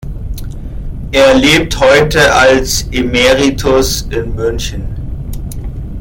Er lebt heute als Emeritus in München.